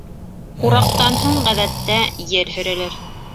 — Ураҡтан һуң, ғәҙәттә, ер һөрәләр.